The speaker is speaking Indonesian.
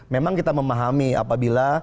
memang kita memahami apabila